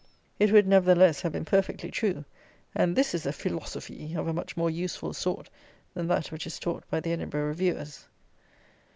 It would, nevertheless, have been perfectly true; and this is feelosofee of a much more useful sort than that which is taught by the Edinburgh Reviewers.